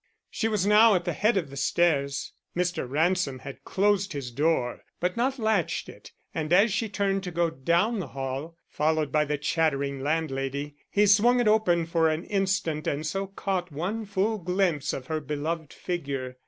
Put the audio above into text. She was now at the head of the stairs. Mr. Ransom had closed his door, but not latched it, and as she turned to go down the hall, followed by the chattering landlady, he swung it open for an instant and so caught one full glimpse of her beloved figure.